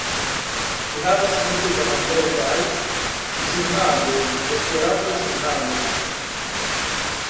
Li havas multe da malnovaj ĵurnaloj, Esperanto-ĵurnaloj